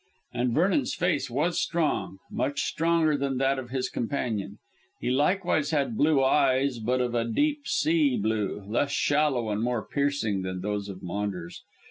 And Vernon's face was strong much stronger than that of his companion. He likewise had blue eyes, but of a deep sea blue, less shallow and more piercing than those of Maunders.